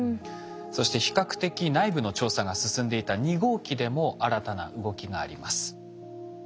そして比較的内部の調査が進んでいた２号機でも新たな動きがあります。